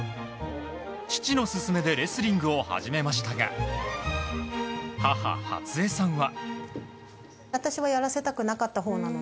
父の勧めでレスリングを始めましたが母・初江さんは。